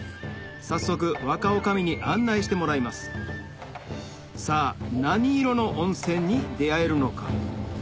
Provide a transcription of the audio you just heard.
早速若女将に案内してもらいますさぁ何色の温泉に出合えるのか？